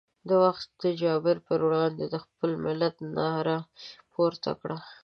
د وخت د جابر پر وړاندې یې د خپل ملت ناره پورته کړه.